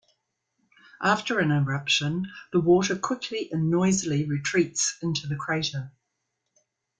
After an eruption, the water quickly and noisily retreats into the crater.